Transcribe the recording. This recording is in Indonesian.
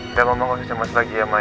udah mama mau kecemasan lagi ya ma ya